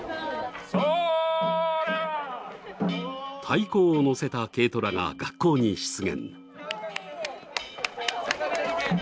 太鼓を載せた軽トラが学校に出現。